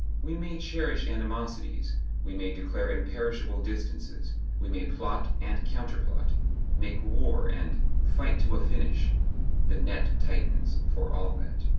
We may cherish animosities, we may declare imperishable distances, we may plot and counter plot, make war and "fight to a finish;" the net tightens for all that.